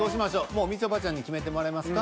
もうみちょぱちゃんに決めてもらいますか？